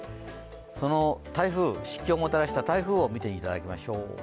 その湿気をもたらした台風を見ていただきましょう。